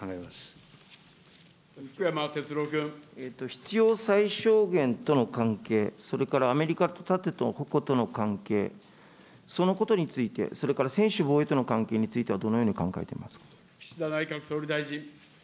必要最小限との関係、それからアメリカと盾と矛との関係、そのことについて、それから専守防衛との関係については、どのように考えていますか。